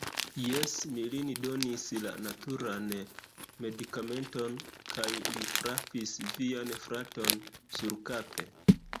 Jes, mi lin donis la naturan medikamenton. Kaj li frapis vian fraton surkape.